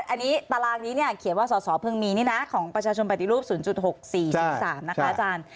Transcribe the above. อันนี้ตารางนี้เขียนว่าศภมีนี่นะของประชาชนปฏิรูป๐๖๔๓นะคะอาจารย์